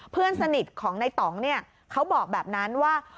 เพื่อนสนิทของในต่องเนี่ยเขาบอกแบบนั้นว่า